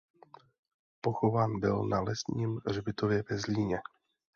Pochován byl na Lesním hřbitově ve Zlíně.